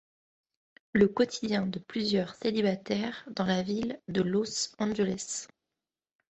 Le quotidien de plusieurs célibataires dans la ville de Los Angeles.